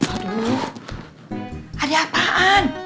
aduh ada apaan